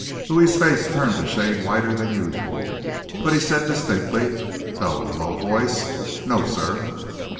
Louis's face turned a shade whiter than usual, but he said distinctly, though in a low voice, "No, sir."